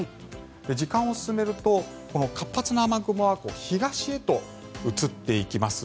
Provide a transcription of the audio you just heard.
時間を進めると、活発な雨雲は東へと移っていきます。